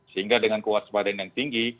sehingga dengan kewaspadaan yang tinggi